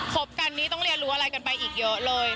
บกันนี่ต้องเรียนรู้อะไรกันไปอีกเยอะเลย